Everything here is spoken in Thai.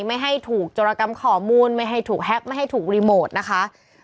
ไม่ให้ถูกจรกรรมขอมูลไม่ให้ถูกแฮปไม่ให้ถูกรีโมทนะคะ